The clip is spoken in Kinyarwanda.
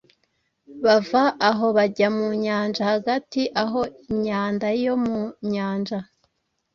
bava aho bajya mu nyanja. Hagati aho, imyanda yo mu nyanja –